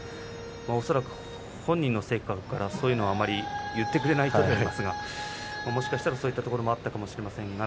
恐らく本人の性格からそういうことは、あまり言ってくれないと思いますがもしかしたらそういったこともあったのかもしれません。